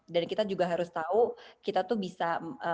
dan kita juga harus tahu kita tuh bisa